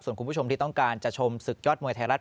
ส่วนคุณผู้ชมที่ต้องการจะชมศึกยอดมวยไทยรัฐ